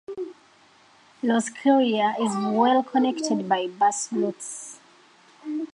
Roscrea is well connected by bus routes.